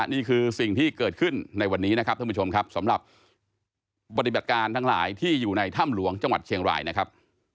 นี่คือสิ่งที่เกิดขึ้นในวันนี้นะครับท่านผู้ชมครับสำหรับปฏิบัติการทั้งหลายที่อยู่ในถ้ำหลวงจังหวัดเชียงรายนะครับ